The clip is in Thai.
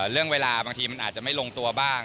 เรื่องเวลาบางทีมันอาจจะไม่ลงตัวบ้าง